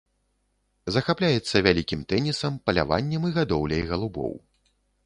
Захапляецца вялікім тэнісам, паляваннем і гадоўляй галубоў.